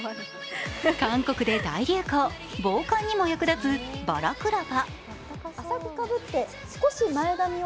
韓国で大流行、防寒にも役立つバラクラバ。